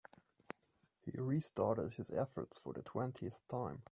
He restarted his efforts for the twentieth time.